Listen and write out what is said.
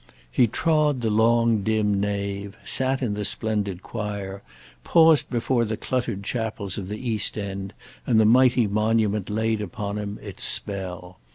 He trod the long dim nave, sat in the splendid choir, paused before the cluttered chapels of the east end, and the mighty monument laid upon him its spell.